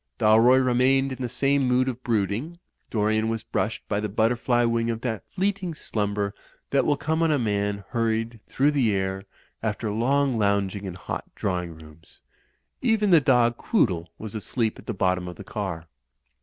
Dalroy remained in the same mood of brooding, Dorian was brushed by the butterfly wing of that fleeting slumber that will come on a man hur u,y,u.«u by Google THE ROAD TO ROUNDABOUT 263 ried, through the air, after long lounging in hot draw ing rooms; even the dog Quoodle was asleep at the bottom of the car.